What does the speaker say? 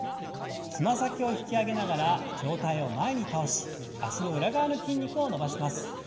つま先を引き上げながら上体を前に倒し脚の裏側の筋肉を伸ばします。